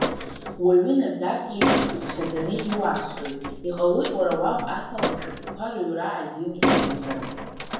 Уаҩы наӡак еиԥш уԥхьаӡаны иуасҳәоит, иҟалоит уара уаб асалам шәыҟәқәа рыҩра азин имамзар.